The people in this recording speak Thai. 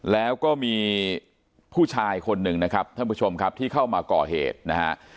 แล้วก็มีผู้ชายคนหนึ่งนะครับท่านผู้ชมครับที่เข้ามาก่อเหตุนะฮะ